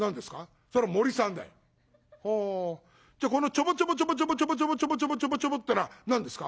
じゃあこのちょぼちょぼちょぼちょぼちょぼちょぼちょぼちょぼちょぼちょぼってのは何ですか？」。